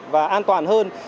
và an toàn hơn